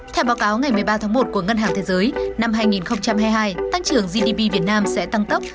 theo báo cáo ngày một mươi ba tháng một của ngân hàng thế giới năm hai nghìn hai mươi hai tăng trưởng gdp việt nam sẽ tăng tốc